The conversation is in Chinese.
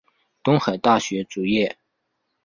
东海大学卒业。